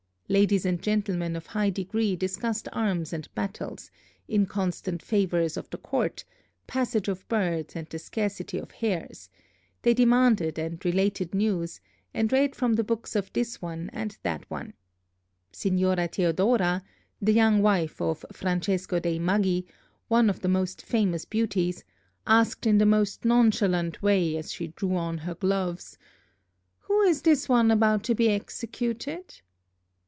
Ladies and gentlemen of high degree discussed arms and battles, inconstant favors of the court, passage of birds, and the scarcity of hares; they demanded and related news; and read from the books of this one and that one. Signora Theodora, the young wife of Francesco dei Maggi, one of the most famous beauties, asked in the most nonchalant way as she drew on her gloves, "Who is this one about to be executed?"